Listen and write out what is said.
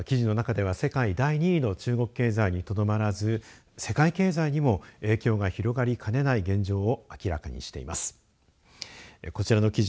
記事の中では世界第２位の中国経済にとどまらず世界経済にも影響が広がりかねない現状を明らかにしています。